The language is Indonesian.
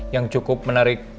yang cukup menarik